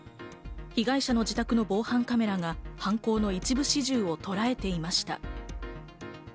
被害者の自宅の防犯カメラが犯行の一部始終をとらえていました。